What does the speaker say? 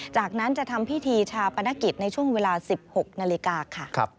จากนั้นจะทำพิธีชาปนกิจในช่วงเวลา๑๖นาฬิกาค่ะ